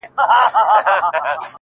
د زاريو له دې کښته قدم اخله’